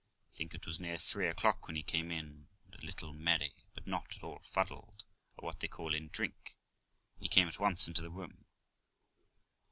I think it was near three o'clock when he came in, and a little merry, but not at. all fuddled, or what they call in drink ; and he came at once into the room.